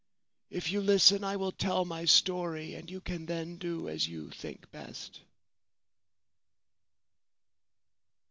If you listen I will tell my story, and you can then do as you think best.'